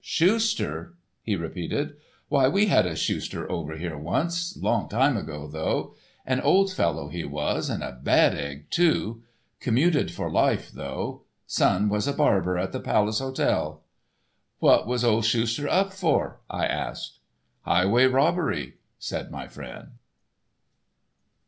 Schuster!" he repeated; "why we had a Schuster over here once—a long time ago, though. An old fellow he was, and a bad egg, too. Commuted for life, though. Son was a barber at the Palace Hotel." "What was old Schuster up for?" I asked. "Highway robbery," said my friend.